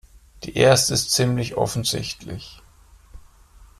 Die erste ist ziemlich offensichtlich.